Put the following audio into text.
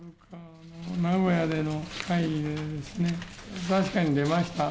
名古屋での会議ですね、確かに出ました。